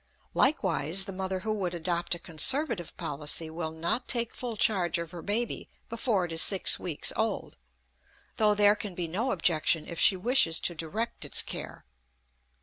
Likewise the mother who would adopt a conservative policy will not take full charge of her baby before it is six weeks old, though there can be no objection if she wishes to direct its care.